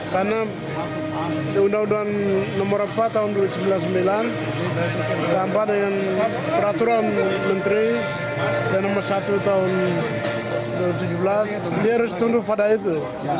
karena undang undang nomor empat tahun seribu sembilan ratus sembilan puluh sembilan dan peraturan menteri yang nomor satu tahun dua ribu tujuh belas dia harus ditundur pada itu